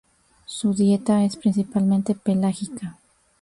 Su dieta es principalmente pelágica.